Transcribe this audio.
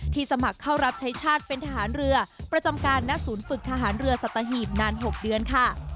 สมัครเข้ารับใช้ชาติเป็นทหารเรือประจำการณศูนย์ฝึกทหารเรือสัตหีบนาน๖เดือนค่ะ